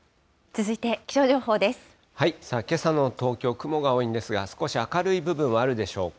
けさの東京、雲が多いんですが、少し明るい部分はあるでしょうか。